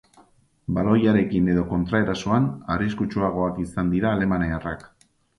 Baloiarekin edo kontraerasoan, arriskutsuagoak izan dira alemaniarrak.